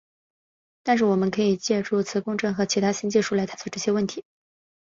但是我们可以借助磁共振和其他新技术来探索这些问题。